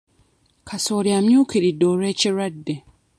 Kasooli amyukiridde olw'ekirwadde.